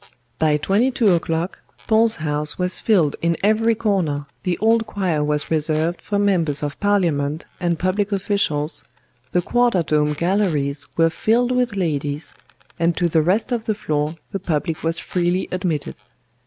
"By twenty two o'clock Paul's House was filled in every corner, the Old Choir was reserved for members of Parliament and public officials, the quarter dome galleries were filled with ladies, and to the rest of the floor the public was freely admitted.